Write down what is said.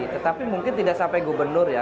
tetapi mungkin tidak sampai gubernur ya